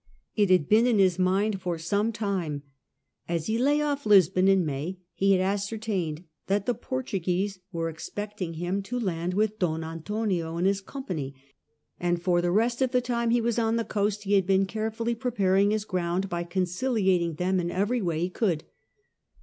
It had been in his mind some time. As he lay off Lisbon in May he had ascertained that the Portuguese were expecting him to X DON ANTONIO AGAIN 133 land with Don Antonio in his company, and for the rest of the time he was on the coast he had been carefully preparing his ground by conciliating them in every way he could.